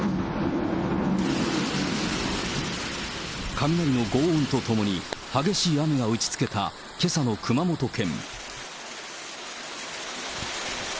雷のごう音とともに、激しい雨が打ちつけたけさの熊本県。